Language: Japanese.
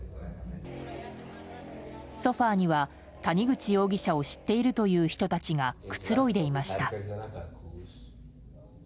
ソファには谷口容疑者を知っているという人たちがくつろいでいました。